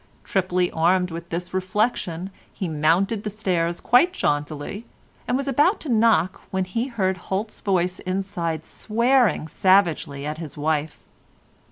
Triply armed with this reflection, he mounted the stairs quite jauntily, and was about to knock when he heard Holt's voice inside swearing savagely at his wife.